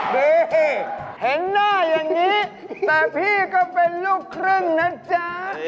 นี่เห็นหน้าอย่างนี้แต่พี่ก็เป็นลูกครึ่งนะจ๊ะ